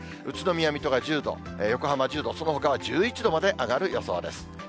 宇都宮、水戸が１０度、横浜１０度、そのほかは１１度まで上がる予想です。